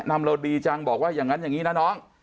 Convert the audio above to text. นำเราดีจังบอกว่าอย่างนั้นอย่างนี้นะน้อง